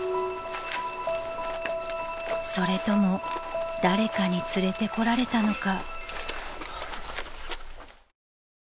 ［それとも誰かに連れてこられたのか］